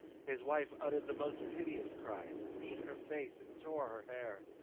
His wife uttered the most piteous cries, beat her face, and tore her hair.